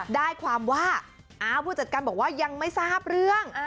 ได้ความว่าผู้จัดการบอกว่ายังไม่ทราบเรื่อง